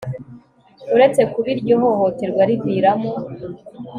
Uretse kuba iryo hohoterwa riviramo